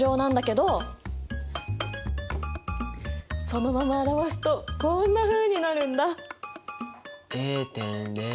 そのまま表すとこんなふうになるんだ。